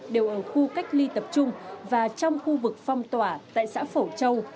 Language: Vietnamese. đều ở khu cách ly tập trung và trong khu vực phong tỏa tại xã phổ châu